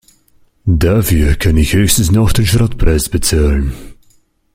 Dafür kann ich höchstens noch den Schrottpreis bezahlen.